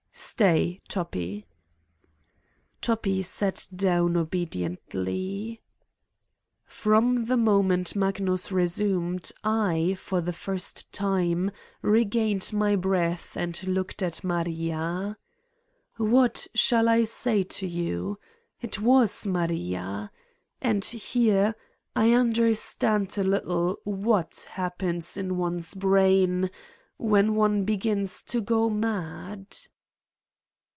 "Stay, Toppi." Toppi sat down obediently. From the moment Magnus resumed, I, for the first time, regained my breath and looked at Maria. 242 Satan's Diary What shall I say to you? It was Maria. And here I understood a little what happens in one's brain when one begins to go mad.